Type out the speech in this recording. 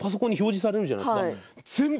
パソコンに表示されるじゃないですか。